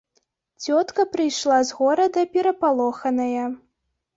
Цётка прыйшла з горада перапалоханая.